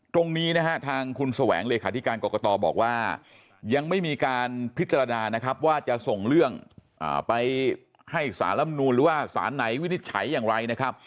ตรงนี้นะฮะทางคุณแสวงเลขาธิการกรกตบอกว่ายังไม่มีการพิจารณานะครับว่าจะส่งเรื่องไปให้สารลำนูนหรือว่าสารไหนวินิจฉัยอย่างไรนะครับ